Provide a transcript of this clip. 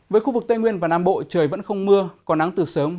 với khu vực tây nguyên và nam bộ trời vẫn không mưa có nắng từ sớm